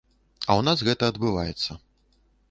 А ў нас гэта адбываецца.